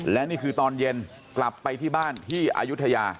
และนี่คือตอนเย็นกลับไปที่บ้านที่อายุทยา